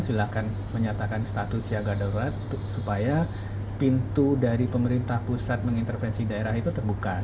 silahkan menyatakan status siaga darurat supaya pintu dari pemerintah pusat mengintervensi daerah itu terbuka